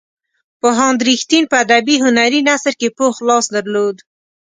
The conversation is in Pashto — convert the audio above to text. پوهاند رښتین په ادبي هنري نثر کې پوخ لاس درلود.